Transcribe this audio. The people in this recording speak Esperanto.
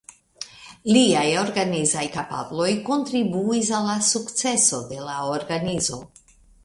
Liaj organizaj kapabloj kontribuis al la sukceso de la organizo.